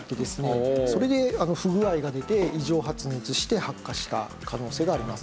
それで不具合が出て異常発熱して発火した可能性があります。